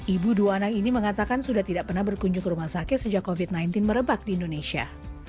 ibu dua anak ini mengatakan sudah tidak pernah berkunjung ke rumah sakit sejak covid sembilan belas merebak di indonesia